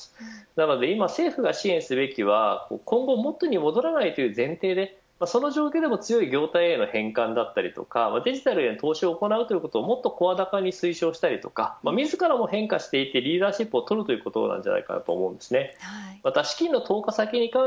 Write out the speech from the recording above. なので今政府が支援すべきは今後、元に戻らないという前提でその状況でも強い業態への変換だったりデジタルへの投資を行うということをもっと声高に推奨したりとか自らも変化していってリーダーシップを取るということなのではないかと思います。